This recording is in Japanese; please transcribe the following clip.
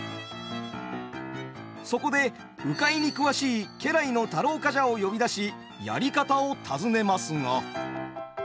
そこで鵜飼に詳しい家来の太郎冠者を呼び出しやり方を尋ねますが。